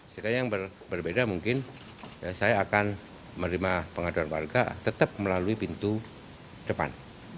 sehingga yang berbeda mungkin saya akan menerima pengaduan warga tetap melalui pintu depan